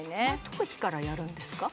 頭皮からやるんですか？